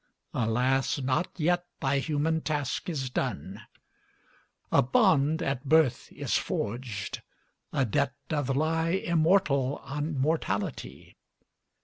Alas, not yet thy human task is done! A bond at birth is forged; a debt doth lie Immortal on mortality.